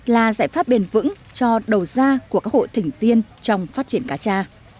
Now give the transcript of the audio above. là giải pháp bền vững cho đầu ra của các hộ thành viên trong phát triển cá cha